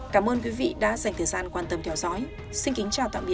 cảm ơn quý vị đã dành thời gian quan tâm theo dõi xin kính chào tạm biệt và hẹn gặp lại